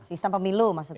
sistem pemilu maksudnya